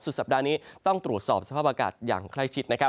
สัปดาห์นี้ต้องตรวจสอบสภาพอากาศอย่างใกล้ชิดนะครับ